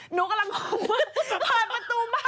หนูกำลังขอมืดผ่านประตูบ้าน